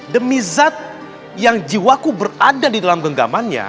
demi zat yang jiwaku berada di dalam genggamannya